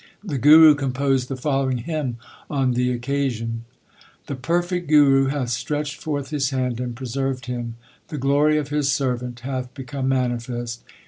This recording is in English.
The Guru composed the follow ing hymn on the occasion : The perfect Guru hath stretched forth His hand and preserved him. The glory of His servant hath become manifest.